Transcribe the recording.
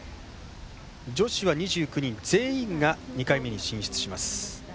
女子は２９人全員が２回目に進出します。